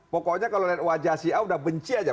pokoknya kalau lihat wajah si a udah benci aja